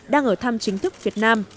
đang ở thăm chính thức việt nam